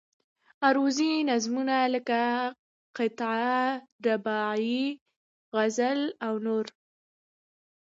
عروضي نظمونه لکه قطعه، رباعي، غزل او نور.